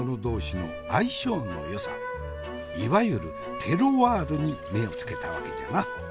いわゆるテロワールに目をつけたわけじゃな。